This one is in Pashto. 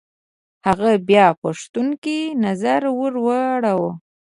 هغه بيا پوښتونکی نظر ور واړوه.